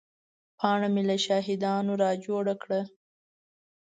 پاڼه مې له شاهدانو را جوړه کړه.